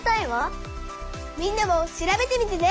みんなも調べてみてね！